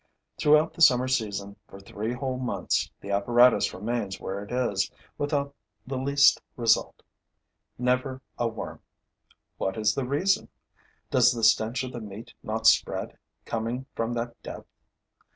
Throughout the summer season, for three whole months, the apparatus remains where it is, without the least result: never a worm. What is the reason? Does the stench of the meat not spread, coming from that depth?